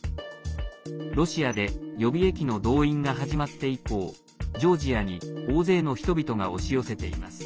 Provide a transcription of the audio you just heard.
ロシアで予備役の動員が始まって以降ジョージアに大勢の人々が押し寄せています。